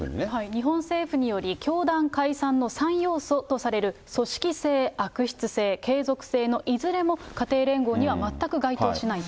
日本政府により、教団解散の３要素とされる組織性、悪質性、継続性のいずれも家庭連合には全く該当しないと。